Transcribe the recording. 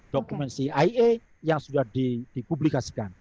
dokumen cia yang sudah dipublikasikan